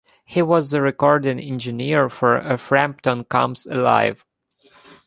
He was the recording engineer for Frampton Comes Alive!